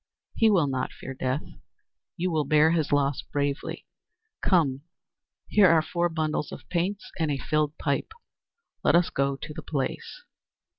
He will not fear death; you will bear his loss bravely. Come, here are four bundles of paints and a filled pipe, let us go to the place!"